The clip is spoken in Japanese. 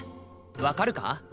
分かるか？